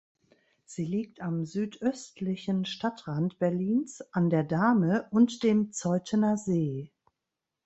Sie liegt am südöstlichen Stadtrand Berlins an der Dahme und dem Zeuthener See.